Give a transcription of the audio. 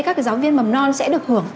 các giáo viên mầm non sẽ được hưởng